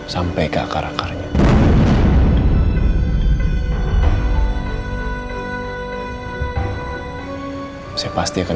nanti kalau kamu ada kesempatan